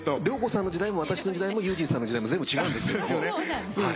良子さんの時代も私の時代も悠仁さんの時代も全部違うんですけれども。